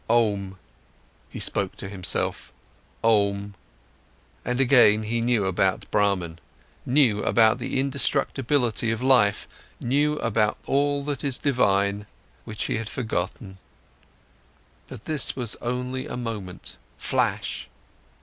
Om! he spoke to himself: Om! and again he knew about Brahman, knew about the indestructibility of life, knew about all that is divine, which he had forgotten. But this was only a moment, flash.